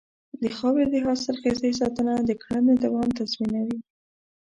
د خاورې د حاصلخېزۍ ساتنه د کرنې دوام تضمینوي.